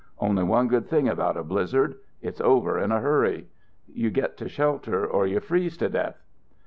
Only one good thing about a blizzard it's over in a hurry. You get to shelter or you freeze to death."